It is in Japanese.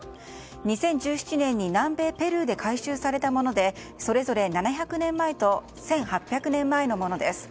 ２０１７年に南米ペルーで回収されたものでそれぞれ、７００年前と１８００年前のものです。